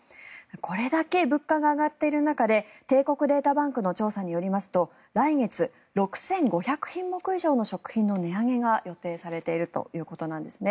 これだけ物価が上がっている中で帝国データバンクの調査によりますと来月、６５００品目以上の食品の値上げが予定されているということです。